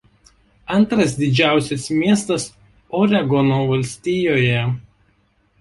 Antras didžiausias miestas Oregono valstijoje.